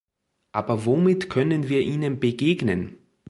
Aber womit können wir ihnen begegnen?